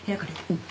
うん。